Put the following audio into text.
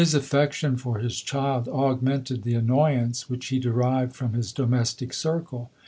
affection for his child augmented the an ncn • re which he derived from his domestic cir cle.